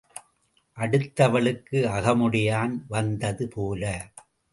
அடுத்தவளுக்கு அகமுடையான் வந்தது போல.